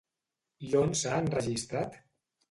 I on s'ha enregistrat?